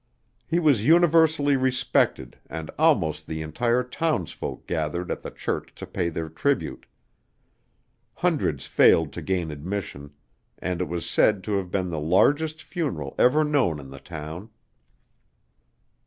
He was universally respected and almost the entire townsfolk gathered at the church to pay their tribute. Hundreds failed to gain admission, and it was said to have been the largest funeral ever known in the town.